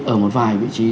ở một vài vị trí